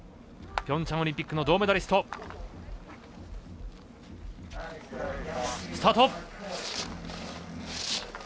ピョンチャンオリンピックの銅メダリスト。